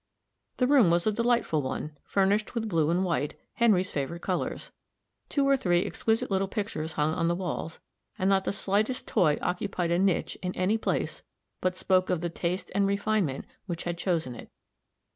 The room was a delightful one, furnished with blue and white Henry's favorite colors. Two or three exquisite little pictures hung on the walls, and not the slightest toy occupied a niche in any place but spoke of the taste and refinement which had chosen it.